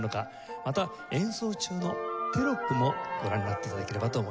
また演奏中のテロップもご覧になって頂ければと思います。